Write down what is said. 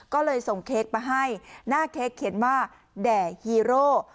ก็เลยส่งเค้กมาให้หน้าเค้กเขียนว่าแด่ฮีโร่